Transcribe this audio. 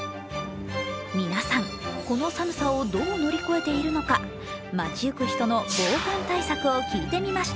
皆さんこの寒さをどう乗り越えているのか、街ゆく人の防寒対策を聞いてみました。